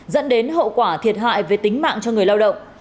dẫn đến hậu quả thiệt hại về tính mạng cho người lao động